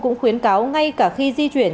cũng khuyến cáo ngay cả khi di chuyển